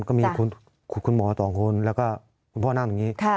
ก็มีคุณหมอสองคนแล้วก็คุณพ่อนั่งอย่างนี้